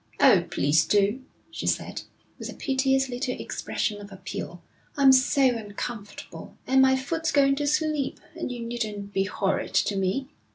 'Oh, please do,' she said, with a piteous little expression of appeal. 'I'm so uncomfortable, and my foot's going to sleep. And you needn't be horrid to me.'